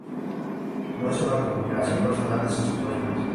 No hizo una compilación personal de sus poemas.